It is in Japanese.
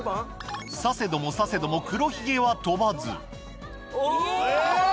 差せども差せども黒ひげは飛ばずお！